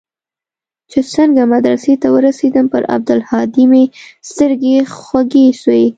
چې څنگه مدرسې ته ورسېدم پر عبدالهادي مې سترګې خوږې سوې.